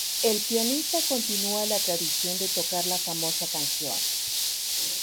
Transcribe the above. El pianista continúa la tradición de tocar la famosa canción.